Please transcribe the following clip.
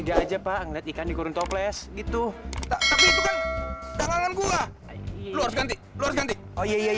gaya aja pak ngetikkan dikurung toples gitu tapi itu kan jangan gua luar ganti luar ganti